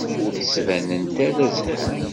Ur d-ttbanent ara zhant.